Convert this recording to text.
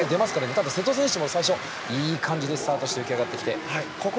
瀬戸選手もいい感じにスタートして浮き上がってきました。